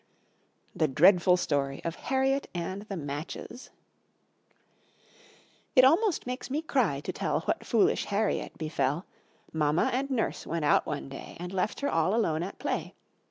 The Dreadful Story of Harriet and the Matches It almost makes me cry to tell What foolish Harriet befell. Mamma and Nurse went out one day And left her all alone at play.